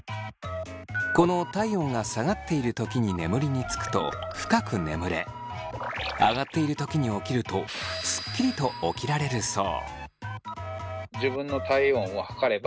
この体温が下がっている時に眠りにつくと深く眠れ上がっている時に起きるとスッキリと起きられるそう。